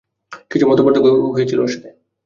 কিছু মতপার্থক্য হয়েছিল ওর সাথে।